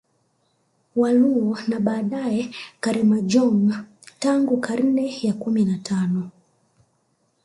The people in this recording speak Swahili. Waluo na baadae Karimojong tangu karne ya kumi na tano